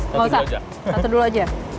nggak usah satu dulu aja